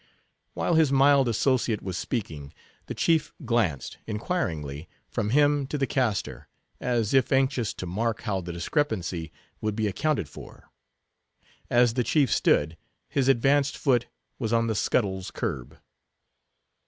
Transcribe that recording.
While his mild associate was speaking, the chief glanced, inquiringly, from him to the caster, as if anxious to mark how the discrepancy would be accounted for. As the chief stood, his advanced foot was on the scuttle's curb.